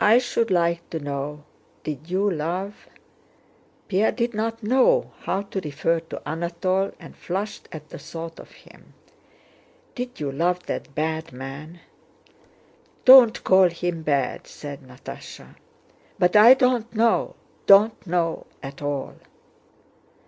"I should like to know, did you love..." Pierre did not know how to refer to Anatole and flushed at the thought of him—"did you love that bad man?" "Don't call him bad!" said Natásha. "But I don't know, don't know at all...."